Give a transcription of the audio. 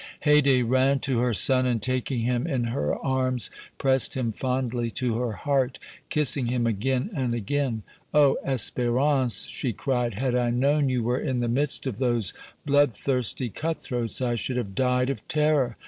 Haydée ran to her son, and, taking him in her arms, pressed him fondly to her heart, kissing him again and again. "Oh! Espérance," she cried, "had I known you were in the midst of those bloodthirsty cut throats I should have died of terror!